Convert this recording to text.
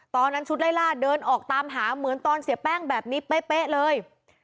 ตอนนั้นชุดไล่ล่าเดินออกตามหาเหมือนตอนเสียแป้งแบบนี้เป๊ะเลย